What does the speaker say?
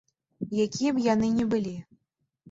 Якія б яны ні былі.